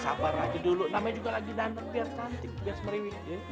sabar aja dulu namanya juga lagi nantang biar cantik biar semeriwi